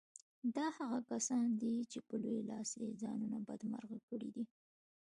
دا هغه کسان دي چې په لوی لاس يې ځانونه بدمرغه کړي دي.